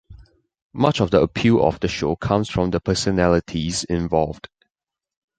Much of the appeal of the show comes from the personalities involved.